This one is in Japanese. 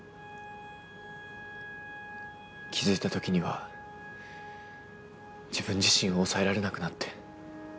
気付いた時には自分自身を抑えられなくなって。